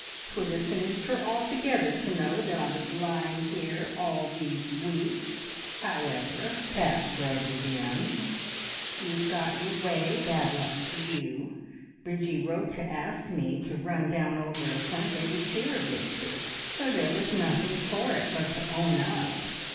'Twould have finished her altogether to know that I was lying here all these weeks. However!" Pat shrugged again, "you've got your way, bad luck to you! Bridgie wrote to ask me to run down over a Sunday, to cheer Victor, so there was nothing for it but to own up.